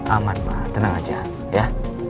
aman lah tenang aja ya